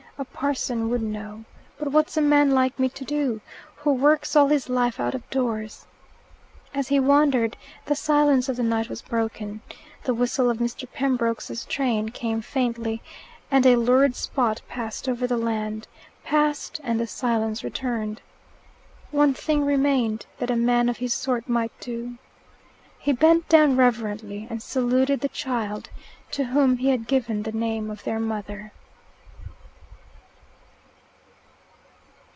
A parson would know. But what's a man like me to do, who works all his life out of doors?" As he wondered, the silence of the night was broken. The whistle of Mr. Pembroke's train came faintly, and a lurid spot passed over the land passed, and the silence returned. One thing remained that a man of his sort might do. He bent down reverently and saluted the child; to whom he had given the name of their mother.